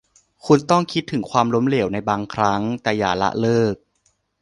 คุณต้องคิดถึงความล้มเหลวในบางครั้ง แต่อย่าละเลิก